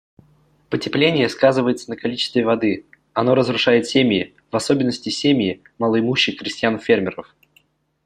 Потепление сказывается на количестве воды; оно разрушает семьи, в особенности семьи малоимущих крестьян-фермеров.